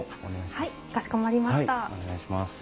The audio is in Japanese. はいお願いします。